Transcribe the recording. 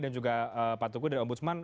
dan juga pak tugu dan om busman